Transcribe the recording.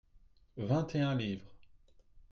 vint et un livres.